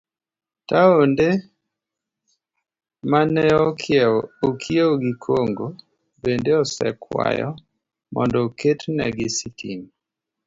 Taonde ma ne okiewo gi Congo bende osekwayo mondo oketnegi sitima.